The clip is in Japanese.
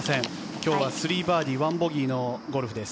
今日は３バーディー１ボギーのゴルフです。